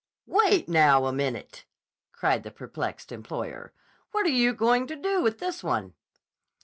"Wait, now, a minute!" cried the perplexed employer. "What're you going to do with this one?"